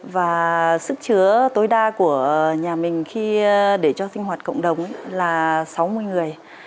và sức chứa tối đa của nhà mình khi để cho sinh hoạt cộng đồng là sáu mươi người